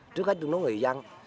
trước hết chúng nó người dân